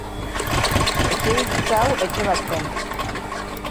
Etxebizitza hau etxe bat zen.